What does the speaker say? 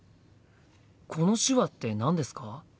この手話って何ですか？